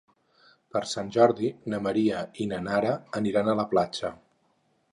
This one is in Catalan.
Per Sant Jordi na Maria i na Nara aniran a la platja.